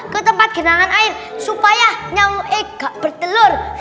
ketempat kenangan air supaya nyamuk eh gak bertelur